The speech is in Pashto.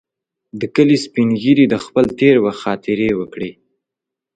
د کلي سپین ږیري د خپل تېر وخت خاطرې وکړې.